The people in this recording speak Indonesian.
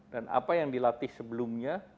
dan apa yang dilatih sebelumnya